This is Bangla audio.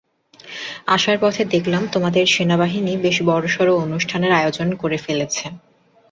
আসার পথে দেখলাম তোমাদের সেনাবাহিনী বেশ বড়সড় অনুষ্ঠানের আয়োজন করে ফেলেছে।